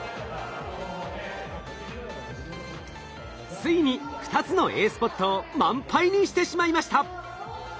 ついに２つのＡスポットを満杯にしてしまいました。